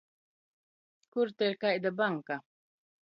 Kur te ir kaida banka?